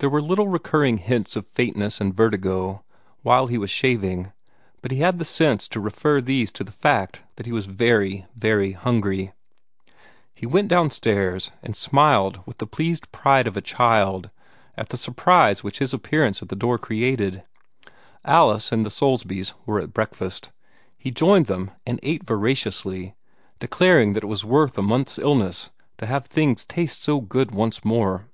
There were little recurring hints of faintness and vertigo, while he was shaving, but he had the sense to refer these to the fact that he was very, very hungry. He went downstairs, and smiled with the pleased pride of a child at the surprise which his appearance at the door created. Alice and the Soulsbys were at breakfast. He joined them, and ate voraciously, declaring that it was worth a month's illness to have things taste so good once more.